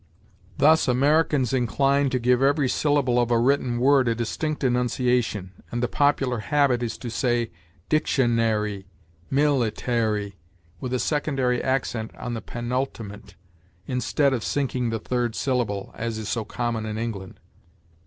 Thus, Americans incline to give to every syllable of a written word a distinct enunciation; and the popular habit is to say dic tion ar y, mil it ar y, with a secondary accent on the penultimate, instead of sinking the third syllable, as is so common in England.